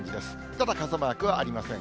ただ、傘マークはありません。